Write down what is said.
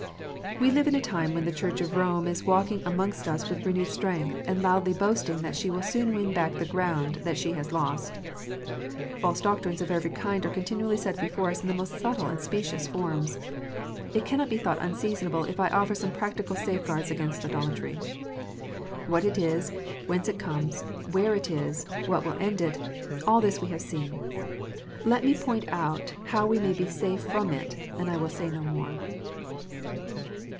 We live in a time when the Church of Rome is walking amongst us with renewed strength, and loudly boasting that she will soon win back the ground that she has lost. Ealse doctrines of every kind are continually set before us in the most subtle and specious forms. It cannot be thought unseasonable if I offer some practical safe guards against idolatry. What it* is, whence it comes, where it is, what will end it, all this we have seen. Let me point out how we may be safe from it, and I will say no more.